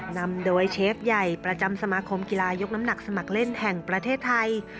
นำโดยเชฟใหญ่ประจำสมาคมกีฬายกน้ำหนักสมัครเล่นแห่งประเทศไทย